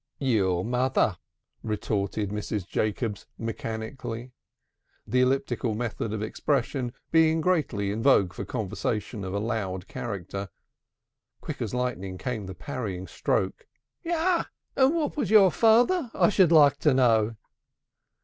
"Your mother!" retorted Mrs. Jacobs mechanically; the elliptical method of expression being greatly in vogue for conversation of a loud character. Quick as lightning came the parrying stroke. "Yah! And what was your father, I should like to know?"